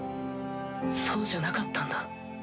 そうじゃなかったんだ。